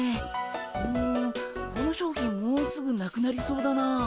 うんこの商品もうすぐなくなりそうだなあ。